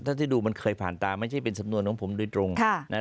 ถ้าที่ดูมันเคยผ่านตาไม่ใช่เป็นสำนวนของผมโดยตรง